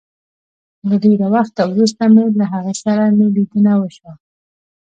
له ډېره وخته وروسته مي له هغه سره مي ليدنه وشوه